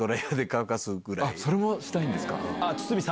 それもしたいんですか？